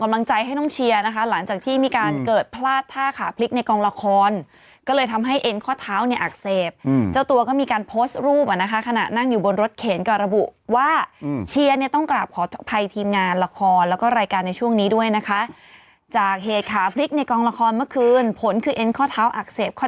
ให้น้องเชียร์นะคะหลังจากที่มีการเกิดพลาดท่าขาพลิกในกองละครก็เลยทำให้เอ็นข้อเท้าเนี่ยอักเสบเจ้าตัวก็มีการโพสต์รูปอ่ะนะคะขณะนั่งอยู่บนรถเข็นก็ระบุว่าเชียร์เนี่ยต้องกราบขออภัยทีมงานละครแล้วก็รายการในช่วงนี้ด้วยนะคะจากเหตุขาพลิกในกองละครเมื่อคืนผลคือเอ็นข้อเท้าอักเสบข้อ